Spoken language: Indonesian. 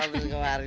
wah apa tuh kemarin